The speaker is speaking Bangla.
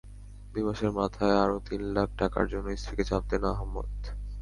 দুই মাসের মাথায় আরও তিন লাখ টাকার জন্য স্ত্রীকে চাপ দেন আহম্মদ।